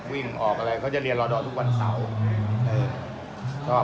วิ่งออกอะไรเขาจะเรียนรอดอทุกวันเสาร์